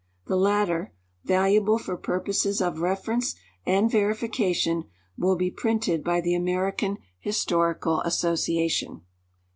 The latter, valuable for purposes of reference and verification, will be printed by the American Historical Association.